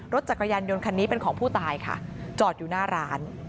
รถจักรยานยนต์คันนี้เป็นของผู้ตายค่ะจอดอยู่หน้าร้าน